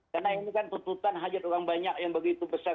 karena ini kan tuntutan hajat orang banyak yang begitu besar